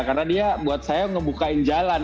karena dia buat saya ngebukain jalan